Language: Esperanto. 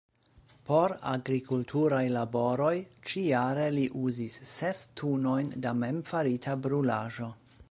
Por agrikulturaj laboroj ĉi-jare li uzis ses tunojn da memfarita brulaĵo.